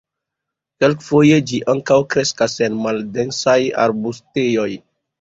Kelkfoje ĝi ankaŭ kreskas en maldensaj arbustejoj.